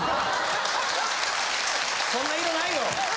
そんな色ないよ！